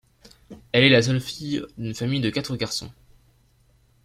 Elle est la seule fille d'une famille de quatre garçons.